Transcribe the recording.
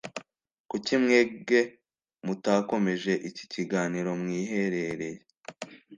Kuki mwebwe mutakomeje iki kiganiro mwiherereye?